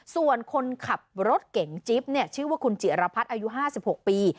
ส่วนคนขับรถเก่งจิ๊บเนี่ยชื่อว่าคุณจิ๋อรพัฒน์อายุห้าสิบหกปี